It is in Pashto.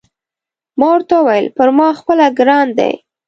ما ورته وویل: پر ما خپله ګران دی.